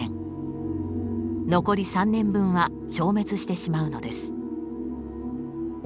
残り３年分は消滅してしまうのです。